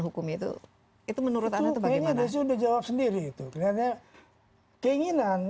hukum itu itu menurut anda bagaimana sudah jawab sendiri itu kelihatannya keinginan